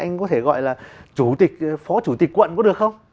anh có thể gọi là chủ tịch phó chủ tịch quận có được không